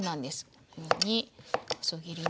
このように細切りに。